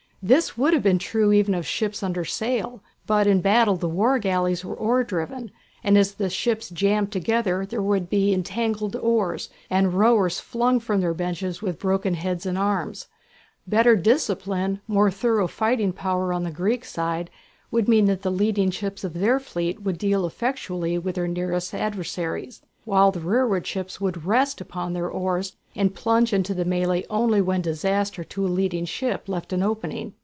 This would have been true even of ships under sail, but in battle the war galleys were oar driven, and as the ships jammed together there would be entangled oars, and rowers flung from their benches with broken heads and arms. Better discipline, more thorough fighting power on the Greek side, would mean that the leading ships of their fleet would deal effectually with their nearest adversaries, while the rearward ships would rest upon their oars and plunge into the mêlée only where disaster to a leading ship left an opening.